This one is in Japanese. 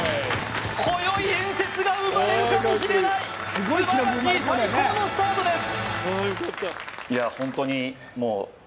今宵伝説が生まれるかもしれない素晴らしい最高のスタートです